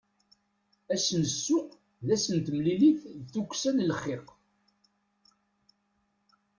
Ass n ssuq d ass n temlilit d tukksa n lxiq.